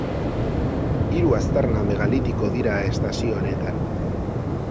Hiru aztarna megalitiko dira estazio honetan.